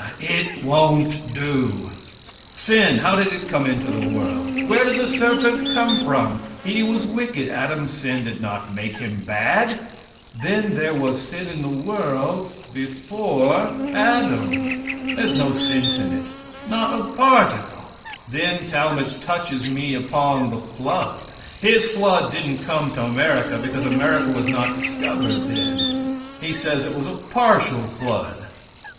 It won't do. Sin, how did it come into the world? Where did the serpent come from? He was wicked. Adam's sin did not make him bad. Then there was sin in the world before Adam. There's no sense in it not a particle. Then Talmage touches me upon the flood. His flood didn't come to America, because America was not discovered then. He says it was a partial flood.